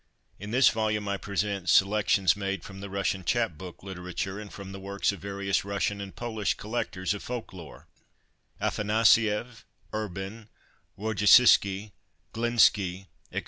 IN this volume I present selections made from the Russian chap book literature, and from the works of various Russian and Polish collectors of Folklore—Afanasief, Erben, Wojcicki, Glinski, etc.